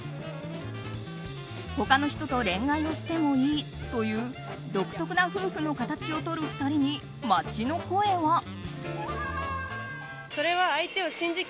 他の人と恋愛をしてもいいという独特な夫婦の形をとる２人に街の声は。